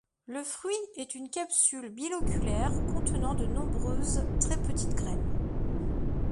Le fruit est une capsule biloculaire contenant de nombreuses très petites graines.